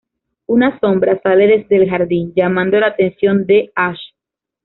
Una sombra sale desde el jardín, llamando la atención de Ash.